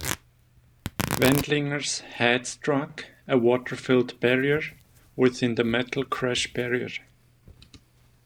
Wendlinger's head struck a water-filled barrier within the metal crash barrier.